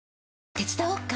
手伝おっか？